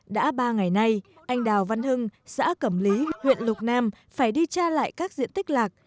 đã ba ngày nay anh đào văn hưng xã cẩm lý huyện lục nam phải đi cha lại các diện tích lạc